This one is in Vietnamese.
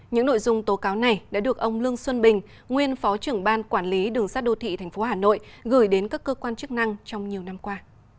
những nội dung tố cáo này đã được ông lương xuân bình nguyên phó trưởng ban quản lý đường sát đô thị tp hà nội gửi đến các cơ quan chức năng trong nhiều năm qua